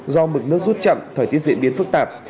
do mực nước rút chậm thời tiết diễn biến phức tạp